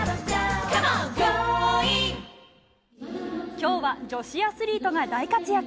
今日は女子アスリートが大活躍。